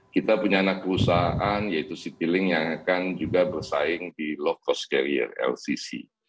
kita punya anak perusahaan yaitu citylink yang akan juga bersaing di low cost carrier lcc